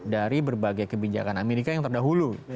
dari berbagai kebijakan amerika yang terdahulu